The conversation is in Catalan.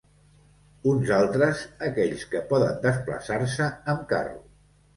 Uns altres, aquells que poden desplaçar-se amb carro.